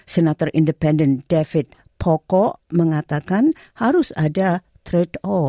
senator independent david poko mengatakan harus ada trade off